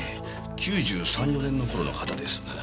９３９４年の頃の型です。